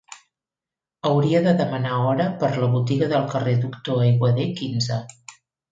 Hauria de demanar hora per la botiga del carrer Doctor Aiguader quinze.